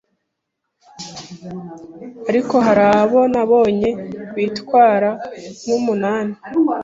ariko hari abo nabonye bitwara nk’umunani